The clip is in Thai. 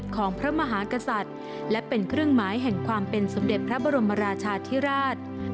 ของพระมหากษัตริย์และเป็นเครื่องหมายแห่งความเป็นสมเด็จพระบรมราชาธิราช